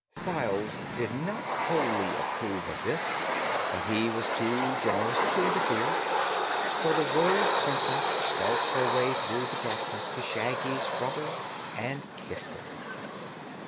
Files did not wholly approve of this, but he was too generous to interfere. So the Rose Princess felt her way through the darkness to Shaggy's brother and kissed him.